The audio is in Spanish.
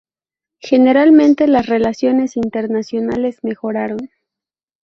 Generalmente las relaciones internacionales mejoraron.